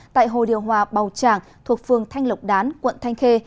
tại hồ điều hòa bầu trảng thuộc phương thanh lộc đán quận thanh khê